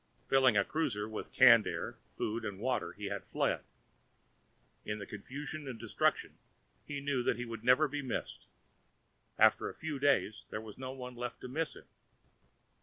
Filling a cruiser with canned air, food and water, he had fled. In the confusion and destruction, he knew that he would never be missed; after a few days there was no one left to miss him.